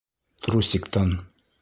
Трусиктан.